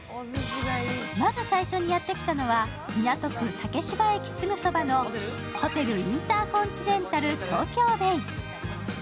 まず最初にやって来たのは港区・竹芝駅すぐそばのホテル・インターコンチネンタル・東京ベイ。